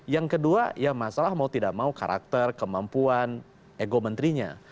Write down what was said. yang kedua ya masalah mau tidak mau karakter kemampuan ego menterinya